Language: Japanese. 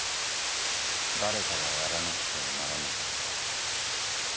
誰かがやらなくてはならなかった。